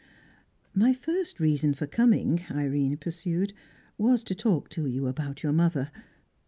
"My first reason for coming," Irene pursued, "was to talk to you about your mother.